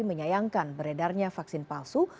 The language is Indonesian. menyayangkan beredarnya vaksin palsu